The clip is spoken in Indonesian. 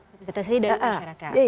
representasi dari masyarakat